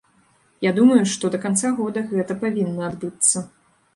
Я думаю, што да канца года гэта павінна адбыцца.